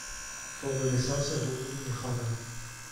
فوق لیسانس حقوق می خوانم.